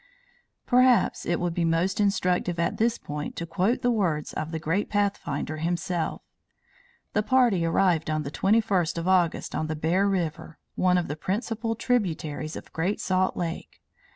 Perhaps it will be most instructive at this point to quote the words of the great Pathfinder himself. The party arrived on the 21st of August on the Bear River, one of the principal tributaries of Great Salt Lake.